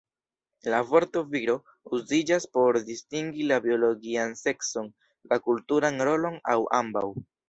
La vorto "viro" uziĝas por distingi la biologian sekson, la kulturan rolon aŭ ambaŭ.